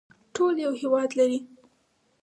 ټول یو هیواد لري